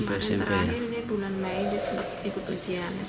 pernahnya terakhir ini bulan mei dia ikut ujian smp